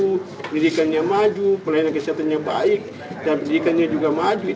pendidikannya maju pelayanan kesehatannya baik dan pendidikannya juga maju